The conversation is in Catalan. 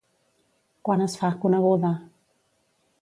Quan es fa coneguda?